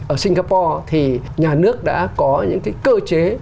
ở singapore thì nhà nước đã có những cái cơ chế